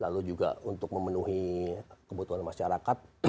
lalu juga untuk memenuhi kebutuhan masyarakat